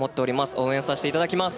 応援させていただきます。